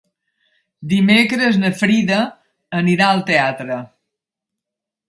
Dimecres na Frida anirà al teatre.